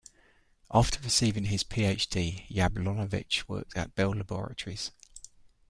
After receiving his Ph.D., Yablonovitch worked at Bell Laboratories.